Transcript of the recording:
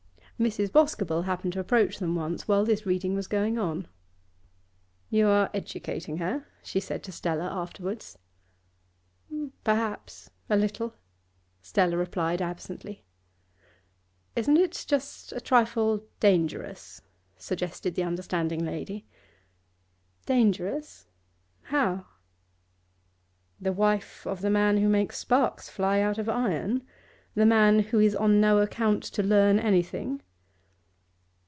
Mrs. Boscobel happened to approach them once whilst this reading was going on. 'You are educating her?' she said to Stella afterwards. 'Perhaps a little,' Stella replied absently. 'Isn't it just a trifle dangerous?' suggested the understanding lady. 'Dangerous? How?' 'The wife of the man who makes sparks fly out of iron? The man who is on no account to learn anything?